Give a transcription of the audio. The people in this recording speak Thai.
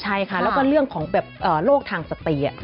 ใช่ค่ะแล้วก็เรื่องของโรคทางสติ